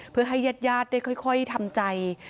เพื่อให้ญาติได้ค่อยทำใจ